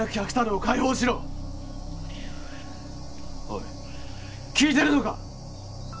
おい聞いてるのか！？